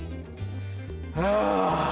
ああ！